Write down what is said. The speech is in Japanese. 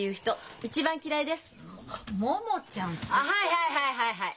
はいはいはいはい。